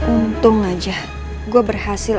untung aja gue berhasil